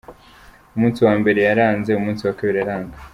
Umunsi wa mbere yaranze, umunsi wa kabiri aranga.